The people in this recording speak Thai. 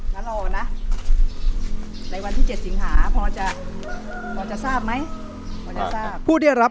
มารอนะในวันที่๗สิงหาพอจะพอจะทราบไหมพูดได้รับ